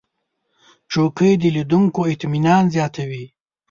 چوکۍ د لیدونکو اطمینان زیاتوي.